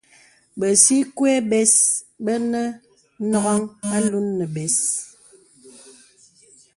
Bə̀sikwe bes bə̄ nə̀ nɔ̀ghaŋ alūn nə̀ bès.